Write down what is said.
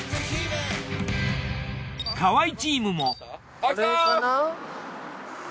河合チームも。